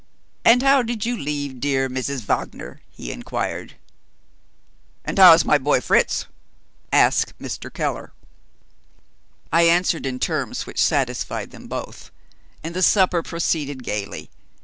"And how did you leave dear Mrs. Wagner?" he inquired. "And how is my boy Fritz?" asked Mr. Keller. I answered in terms which satisfied them both, and the supper proceeded gaily.